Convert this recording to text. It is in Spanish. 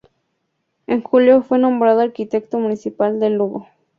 En julio fue nombrado arquitecto municipal de Lugo.